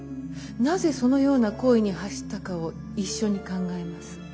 なぜそのような行為に走ったかを一緒に考えます。